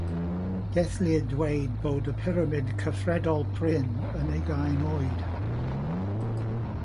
Gellir dweud bod y pyramid cyfredol prin yn ugain oed.